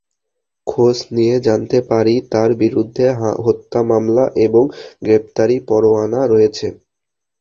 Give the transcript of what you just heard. খোঁজ নিয়ে জানতে পারি, তাঁর বিরুদ্ধে হত্যা মামলা এবং গ্রেপ্তারি পরোয়ানা রয়েছে।